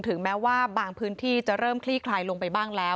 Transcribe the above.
ถึงแม้ว่าบางพื้นที่จะเริ่มคลี่คลายลงไปบ้างแล้ว